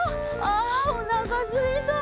あおなかすいた。